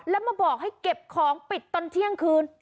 แล้วมาบอกให้เก็บของปิดตอนเที่ยงคืน